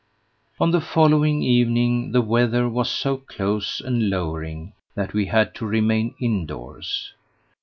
On the following evening the weather was so close and lowering that we had to remain indoors.